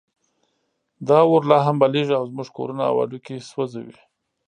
دا اور لا هم بلېږي او زموږ کورونه او هډوکي سوځوي.